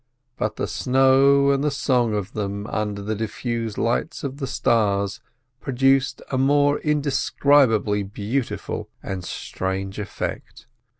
But the snow and the song of them under the diffused light of the stars produced a more indescribably beautiful and strange effect.